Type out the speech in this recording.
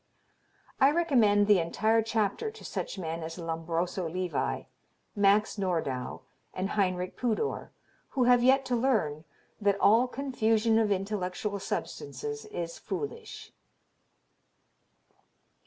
I recommend the entire chapter to such men as Lombroso Levi, Max Nordau and Heinrich Pudor, who have yet to learn that "all confusion of intellectual substances is foolish."